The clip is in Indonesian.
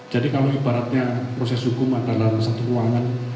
jadi kalau ibaratnya proses hukuman dalam satu ruangan